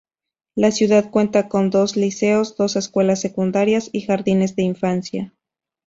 La ciudad cuenta con dos liceos, dos escuelas secundarias y jardines de infancia.